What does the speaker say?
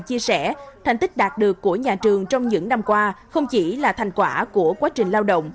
chia sẻ thành tích đạt được của nhà trường trong những năm qua không chỉ là thành quả của quá trình lao động